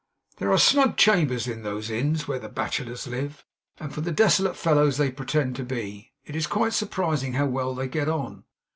There are snug chambers in those Inns where the bachelors live, and, for the desolate fellows they pretend to be, it is quite surprising how well they get on.